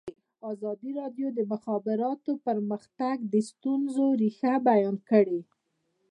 ازادي راډیو د د مخابراتو پرمختګ د ستونزو رېښه بیان کړې.